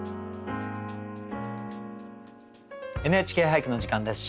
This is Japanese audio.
「ＮＨＫ俳句」の時間です。